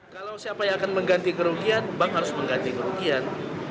kalau siapa yang akan mengganti kerugian bank harus mengganti kerugian